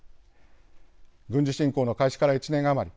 軍事侵攻の開始から１年余り。